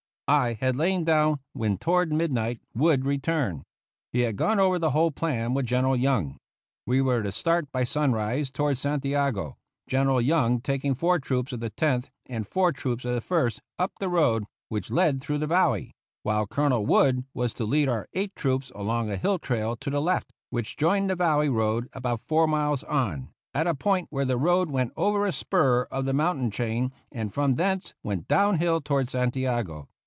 I had lain down when toward midnight Wood returned. He had gone over the whole plan with General Young. We were to start by sunrise toward Santiago, General Young taking four troops of the Tenth and four troops of the First up the road which led through the valley; while Colonel Wood was to lead our eight troops along a hill trail to the left, which joined the valley road about four miles on, at a point where the road went over a spur of the mountain chain and from thence went down hill toward Santiago.